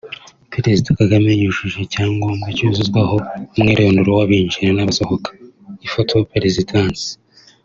Perezida Kagame yujuje icyangombwa cyuzuzwaho umwirondoro w’abinjira n’abasohoka (Ifoto/Perezidansi)